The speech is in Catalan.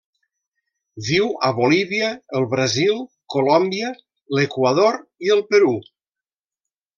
Viu a Bolívia, el Brasil, Colòmbia, l'Equador i el Perú.